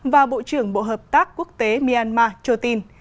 và bộ trưởng bộ hợp tác quốc tế myanmar châu tinh